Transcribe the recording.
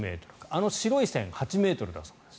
あの白い線、８ｍだそうです。